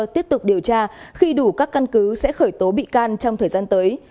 tiếp tục điều tra khi đủ các căn cứ sẽ khởi tố bị can trong thời gian tới